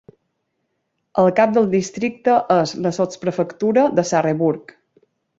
El cap del districte és la sotsprefectura de Sarrebourg.